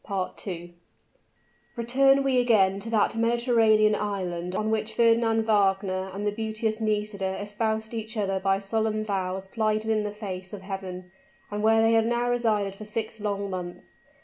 Return we again to that Mediterranean island on which Fernand Wagner and the beauteous Nisida espoused each other by solemn vows plighted in the face of Heaven, and where they have now resided for six long months.